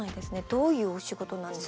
どういうお仕事なんですか？